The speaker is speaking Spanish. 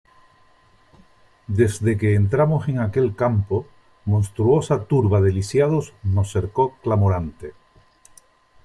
desde que entramos en aquel campo , monstruosa turba de lisiados nos cercó clamorante :